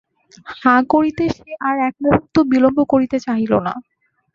হাঁ করিতে সে আর এক মুহূর্ত বিলম্ব করিতে চাহিল না।